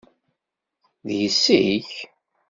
D yessi-k.